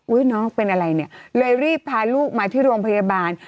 น้องเป็นอะไรเนี่ยเลยรีบพาลูกมาที่โรงพยาบาล